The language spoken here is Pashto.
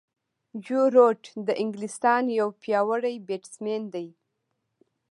جو روټ د انګلستان یو پیاوړی بیټسمېن دئ.